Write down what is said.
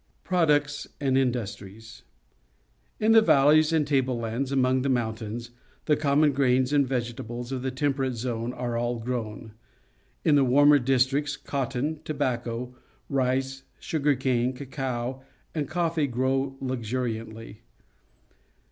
Products and Industries. — In the valleys and table lands among the mountains, the common grains and vegetables of the Tem perate Zone are all grown. In the warmer districts, cotton, tobacco, rice, sugar cane, cacao, and coffee grow luxuriantly.